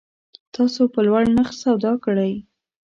تاسو په لوړ نرخ سودا کړی